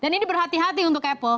dan ini berhati hati untuk apple